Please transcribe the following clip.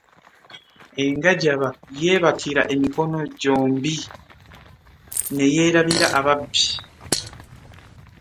Engajaba yebakira emikono jombi n'eyerabira ababbi .